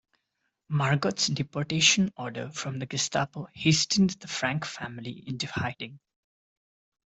Margot's deportation order from the Gestapo hastened the Frank family into hiding.